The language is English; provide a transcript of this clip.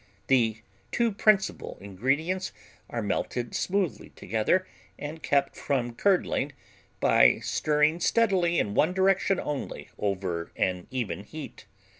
The two principal ingredients are melted smoothly together and kept from curdling by stirring steadily in one direction only, over an even heat.